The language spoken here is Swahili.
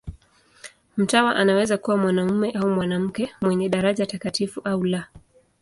Mtawa anaweza kuwa mwanamume au mwanamke, mwenye daraja takatifu au la.